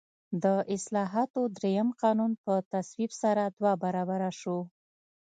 د اصلاحاتو درېیم قانون په تصویب سره دوه برابره شو.